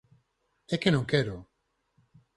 É que non quero.